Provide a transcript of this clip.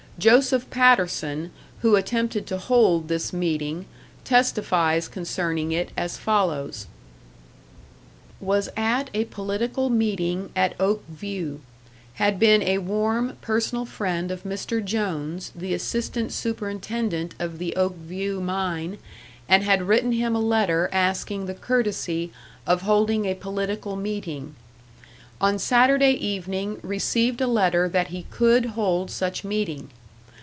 Joseph Patterson, who attempted to hold this meeting, testifies concerning it as follows: "Was at a political meeting at Oakview. Had been a warm, personal friend of Mr. Jones, the assistant superintendent of the Oakview mine, and had written him a letter asking the courtesy of holding a political meeting. On Saturday evening received a letter that he could hold such meeting.